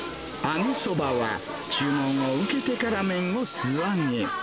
揚げそばは、注文を受けてから麺を素揚げ。